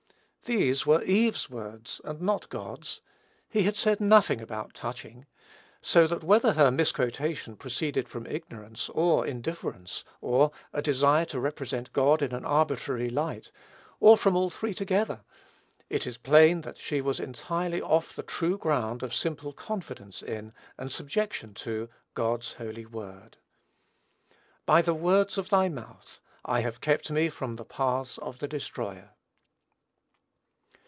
These were Eve's words and not God's. He had said nothing about touching; so that whether her misquotation proceeded from ignorance, or indifference, or a desire to represent God in an arbitrary light, or from all three together, it is plain that she was entirely off the true ground of simple confidence in, and subjection to, God's holy word. "By the words of thy mouth, I have kept me from the paths of the destroyer."